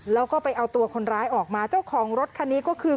แล้วก็ไปเอาตัวคนร้ายออกมาเจ้าของรถคันนี้ก็คือ